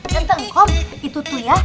dan teteh kom itu tuh ya